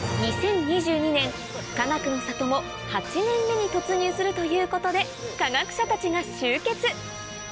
２０２２年かがくの里も８年目に突入するということで科学者たちが集結